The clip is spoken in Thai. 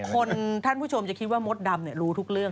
ท่านผู้ชมจะคิดว่ามดดำรู้ทุกเรื่อง